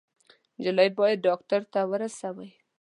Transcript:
_نجلۍ بايد ډاکټر ته ورسوئ!